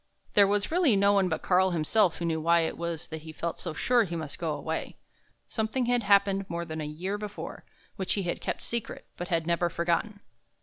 There was really no one but Karl himself who knew why it was that he felt so sure he must go away. Something had happened more than a year before, which he had kept secret but had never forgotten.